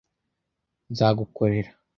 Nzagukorera